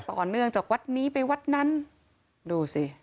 ต่อเนื่องจากวัดนี้ไปวัดนั้นดูสิ